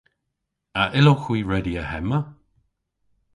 A yllowgh hwi redya hemma?